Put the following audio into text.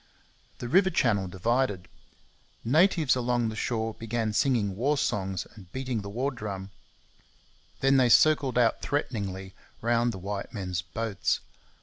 The river channel divided. Natives along the shore began singing war songs and beating the war drum; then they circled out threateningly round the white men's boats.